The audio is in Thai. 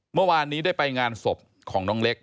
เมื่อวานนี้ได้ไปงานศพของน้องเล็ก